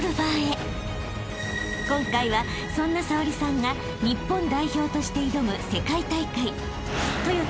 ［今回はそんな早織さんが日本代表として挑む世界大会］